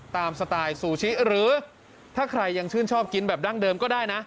สไตล์ซูชิหรือถ้าใครยังชื่นชอบกินแบบดั้งเดิมก็ได้นะ